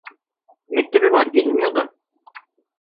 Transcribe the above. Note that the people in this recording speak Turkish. Mektebi var gelemiyor da.